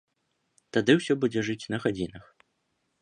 Тады ўсё будзе жыць на гадзінах.